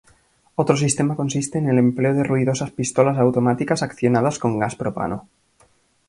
Otro sistema consiste en el empleo de ruidosas pistolas automáticas accionadas con gas propano.